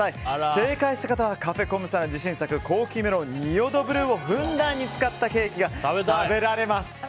正解した方はカフェコムサの自信作高級メロン仁淀ブルーをふんだんに使ったケーキが食べられます。